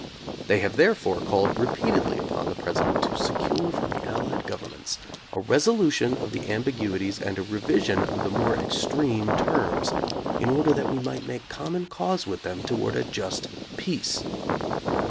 They have therefore called repeatedly upon the President to secure from the Allied governments a resolution of the ambiguities and a revision of the more extreme terms, in order that we might make common cause with them to ward a just peace.